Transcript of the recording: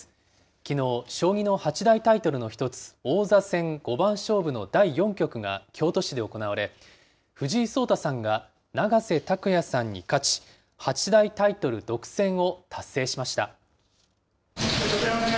きのう、将棋の八大タイトルの一つ、王座戦五番勝負の第４局が京都市で行われ、藤井聡太さんが永瀬拓矢さんに勝ち、八大タイトル独占を達成しました。